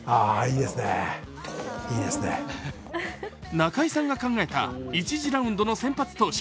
中居さんが考えた１次ラウンドの先発投手。